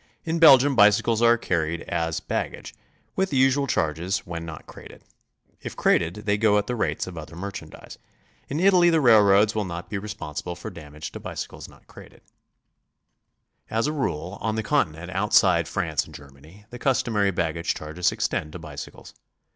In Belgium bicycles are carried as bag gage, with the usual charges, when not crated; if crated they go at the rates of other merchandise. In Italy the railroads will not be responsible for damage to bicycles not crated. As 124 GOING ABROAD? a rule, on the Con'tinent outside France and Germany the customary baggage charges extend to bicycles.